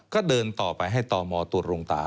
ก็เดินต่อไปให้ต่อหมอตรวจลงตา